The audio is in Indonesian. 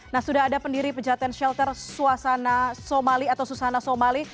nah sudah ada pendiri pejaten shelter suasana somali atau susana somali